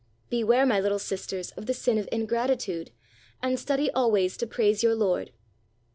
Beware, my Httle sisters, of the sin of ingratitude, and study always to praise your Lord."